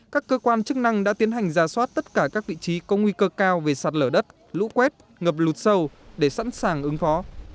các cơ quan chức năng đã tiến hành ra soát tất cả các vị trí có nguy cơ cao về sạt lở đất lũ quét ngập lụt sâu để sẵn sàng ứng phó